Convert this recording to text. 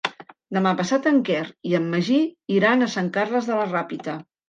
Demà passat en Quer i en Magí iran a Sant Carles de la Ràpita.